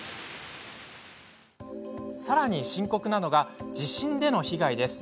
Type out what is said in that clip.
さらに深刻なのが地震での被害です。